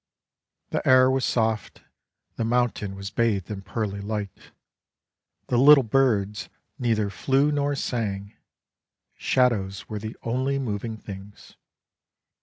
The air was soft, the mountain was bathed in pearly light. The little birds neither flew nor sang. Shadows were the only moving things.